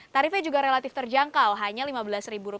tarifnya juga relatif terjangkau hanya rp lima belas